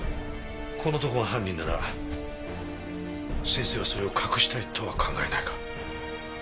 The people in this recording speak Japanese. この男が犯人なら先生はそれを隠したいとは考えないか？